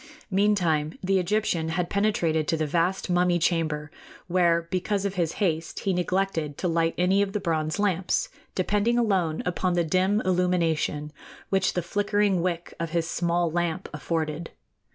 Meantime the Egyptian had penetrated to the vast mummy chamber, where, because of his haste, he neglected to light any of the bronze lamps, depending alone upon the dim illumination which the flickering wick of his small lamp afforded.